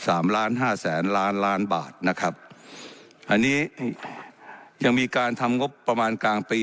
สามล้านห้าแสนล้านล้านบาทนะครับอันนี้ยังมีการทำงบประมาณกลางปี